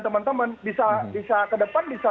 teman teman bisa ke depan bisa